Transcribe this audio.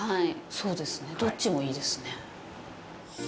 そうですね、どっちもいいですね。